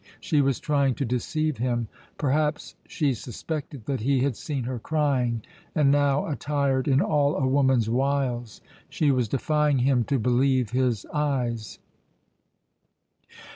She was trying to deceive him. Perhaps she suspected that he had seen her crying, and now, attired in all a woman's wiles, she was defying him to believe his eyes.